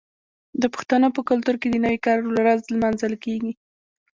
د پښتنو په کلتور کې د نوي کال ورځ لمانځل کیږي.